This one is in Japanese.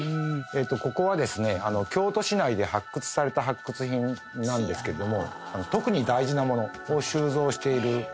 ここはですね京都市内で発掘された発掘品なんですけれども特に大事なものを収蔵している所になります。